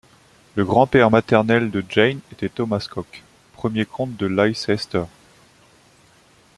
Le grand-père maternel de Jane était Thomas Coke, premier comte de Leicester.